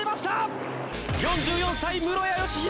４４歳室屋義秀